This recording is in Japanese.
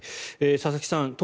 佐々木さん